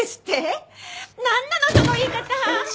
何なのその言い方！